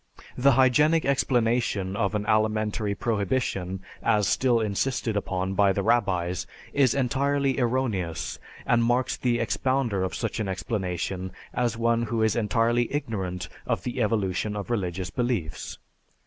The hygienic explanation of an alimentary prohibition as still insisted upon by the rabbis is entirely erroneous and marks the expounder of such an explanation as one who is entirely ignorant of the evolution of religious beliefs.